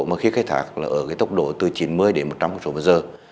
mà khi khai thạc là ở cái tốc độ từ chín mươi đến một trăm linh km hồi giờ